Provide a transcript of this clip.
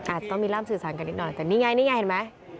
อาจต้องมีร่ำสื่อสั่งกันนิดหน่อยแต่นี่ไงเห็นไหม